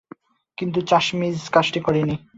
হ্যাঁ, কিন্তু চাশমিশ কাজটা করেনি।